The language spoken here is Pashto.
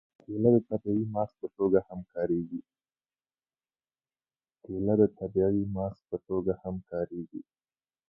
کېله د طبیعي ماسک په توګه هم کارېږي.